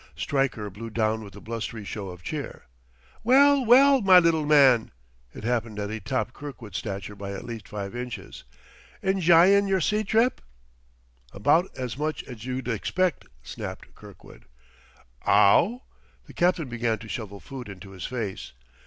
Stryker blew down with a blustery show of cheer. "Well, well, my little man!" (It happened that he topped Kirkwood's stature by at least five inches.) "Enj'yin' yer sea trip?" "About as much as you'd expect," snapped Kirkwood. "Ow?" The captain began to shovel food into his face.